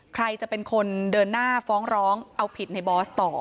ใครจะเป็นคนเดินหน้าฟ้องร้องเอาผิดในบอสต่อ